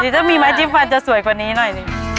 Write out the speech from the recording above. หรือจะมีมัตต์จิ้มฟันจะสวยกว่านี้หน่อย